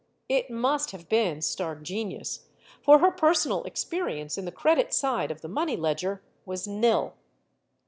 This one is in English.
It must have been stark genius, for her personal experience in the credit side of the money ledger was nil.